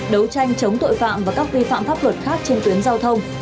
đấu tranh chống tội phạm và các vi phạm pháp luật khác trên tuyến giao thông